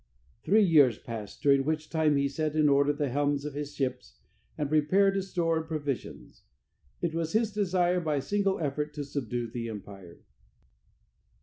Three years passed, during which time he set in order the helms of his ships, and prepared a store of provisions. It was his desire by a single effort to subdue the empire.